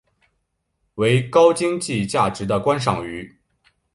为高经济价值的观赏鱼。